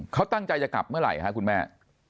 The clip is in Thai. เขาตั้งใจจะกลับเมื่อไหร่ครับคุณแม่